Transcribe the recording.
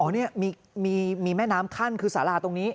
อ๋อเนี่ยมีแม่น้ำคั่นคือสาราตรงนี้